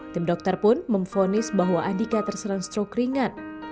tim dokter pun memfonis bahwa andika terserang stroke ringan